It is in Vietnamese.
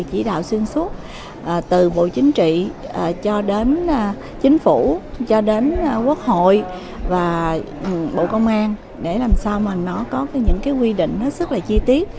chỉ đạo xuyên suốt từ bộ chính trị cho đến chính phủ cho đến quốc hội và bộ công an để làm sao mà nó có những cái quy định hết sức là chi tiết